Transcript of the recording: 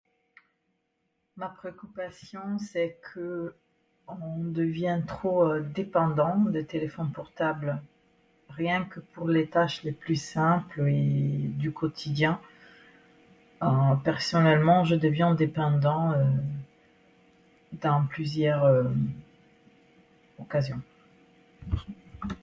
Ma préoccupation, c'est qu'on devient trop dépendant des téléphones portables, rien que pour les tâches les plus simples et du quotidien. Personnellement, je deviens dépendant dans plusieurs occasions.